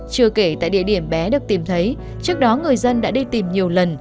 chưa kể tại địa điểm bé được tìm thấy trước đó người dân đã đi tìm nhiều lần